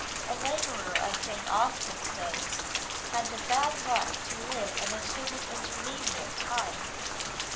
A labourer of Jane Austen's days had the bad luck to live in a sort of intermediate time.